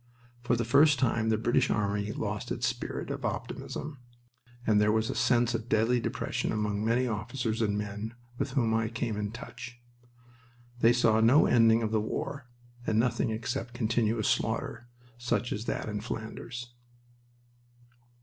For the first time the British army lost its spirit of optimism, and there was a sense of deadly depression among many officers and men with whom I came in touch. They saw no ending of the war, and nothing except continuous slaughter, such as that in Flanders.